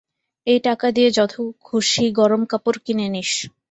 এই টাকা দিয়ে যত খুশি গরম কাপড় কিনে নিস।